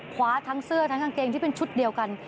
คว้าทั้งเสื้อทั้งกางเกงที่เป็นชุดเดียวกัน